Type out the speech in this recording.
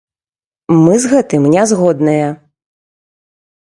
Мы з гэтым не згодныя!